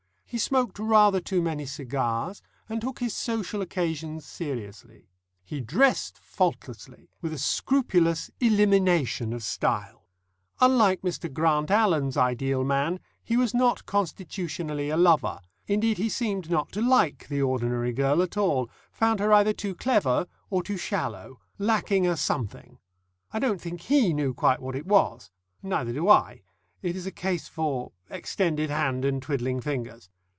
He smoked rather too many cigars, and took his social occasions seriously. He dressed faultlessly, with a scrupulous elimination of style. Unlike Mr. Grant Allen's ideal man, he was not constitutionally a lover; indeed, he seemed not to like the ordinary girl at all found her either too clever or too shallow, lacking a something. I don't think he knew quite what it was. Neither do I it is a case for extended hand and twiddling fingers.